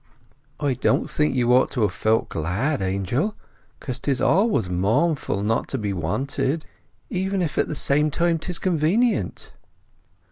"I don't think you ought to have felt glad, Angel. Because 'tis always mournful not to be wanted, even if at the same time 'tis convenient."